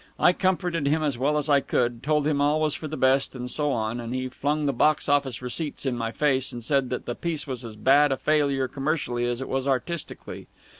I comforted him as well as I could, told him all was for the best and so on, and he flung the box office receipts in my face and said that the piece was as bad a failure commercially as it was artistically.